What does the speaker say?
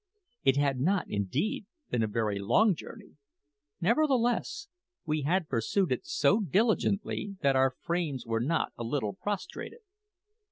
It had not, indeed, been a very long journey; nevertheless, we had pursued it so diligently that our frames were not a little prostrated.